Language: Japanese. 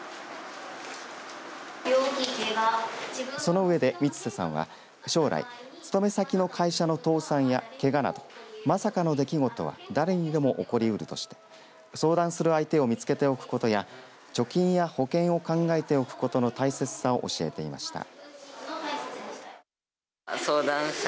その上で三瀬さんは将来勤め先の会社の倒産や、けがなどまさかの出来事は誰にでも起こりうるとして相談する相手を見つけておくことや貯金や保険を考えておくことの大切さを教えていました。